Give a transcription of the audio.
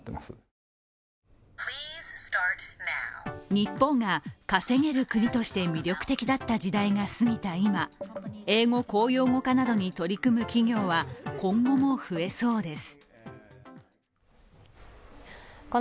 日本が稼げる国として魅力的だった時代が過ぎた今英語公用語化などに取り組む企業は今後も増えそうです。